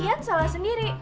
nyat salah sendiri